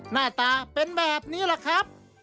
หน้าตาเป็นแบบนี้แหละครับ